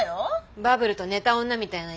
バブルと寝た女みたいな言い方ね。